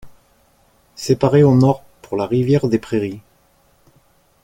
Séparé au nord pour la Rivière des Prairies.